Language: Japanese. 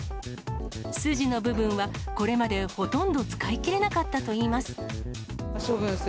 すじの部分は、これまでほとんど使い切れなかったといいます。